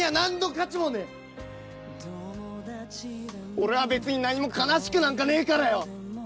俺は別に何も悲しくなんかねえからよ！